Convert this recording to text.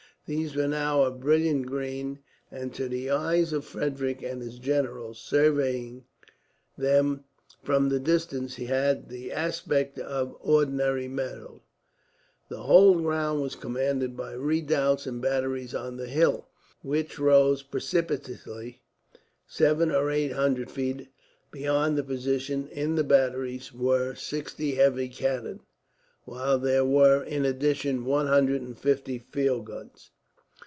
These were now a brilliant green, and to the eyes of Frederick and his generals, surveying them from the distance, had the aspect of ordinary meadows. The whole ground was commanded by redoubts and batteries on the hill, which rose precipitately seven or eight hundred feet behind the position. In the batteries were sixty heavy cannon; while there were, in addition, one hundred and fifty field guns.